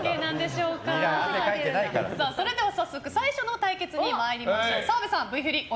それでは早速最初の対決に参りましょう。